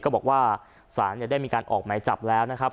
ก็บอกว่าศาลได้มีการออกหมายจับแล้วนะครับ